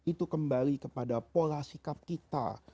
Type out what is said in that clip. itu kembali kepada pola sikap kita